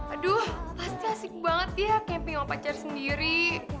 aduh asik asik banget ya camping sama pacar sendiri